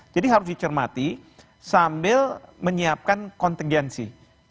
jadi harus dicermati sambil menyiapkan kontingensi